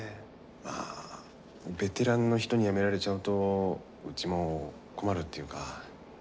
まあベテランの人に辞められちゃうとうちも困るっていうか。